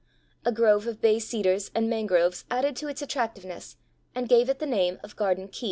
A grove of bay cedars and mangroves added to its attractiveness and gave it the name of Garden Key.